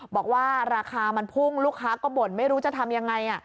บอกว่าราคามันพุ่งลูกค้าก็บ่นไม่รู้จะทำยังไง